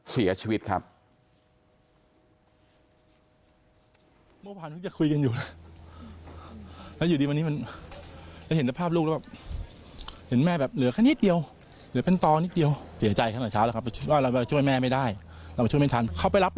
เสียชีวิตครับ